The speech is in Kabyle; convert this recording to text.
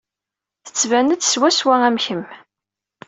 Tettban-d swaswa am kemm.